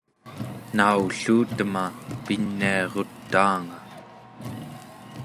naulluutema piniarutaanga